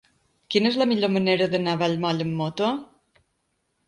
Quina és la millor manera d'anar a Vallmoll amb moto?